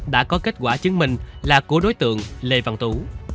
đã có kết quả chứng minh là của đối tượng lê văn tú